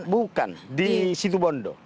bukan di situbondo